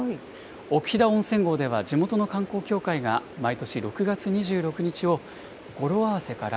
奥飛騨温泉郷では、地元の観光協会が毎年６月２６日を、語呂合わせから、